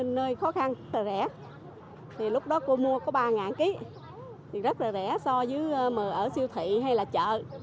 nơi khó khăn rẻ lúc đó cô mua có ba kg rất rẻ so với ở siêu thị hay là chợ